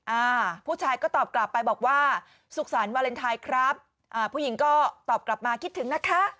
อ่าผู้ชายก็ตอบกลับไปบอกว่าสุขสรรควาเลนไทยครับอ่าผู้หญิงก็ตอบกลับมาคิดถึงนะคะ